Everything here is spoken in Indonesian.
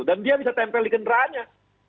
dan dia bisa tempel di kenderaannya